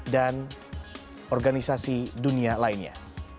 dan organisasi dunia lainnya